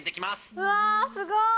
うわー、すごい。